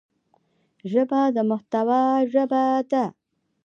ژبه د محتوا ژبه ده